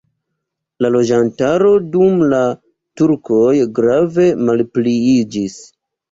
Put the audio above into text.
La loĝantaro dum la turkoj grave malpliiĝis.